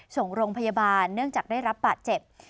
ส่งโรงพยาบาลเนื่องจากได้รับบาดเจ็บ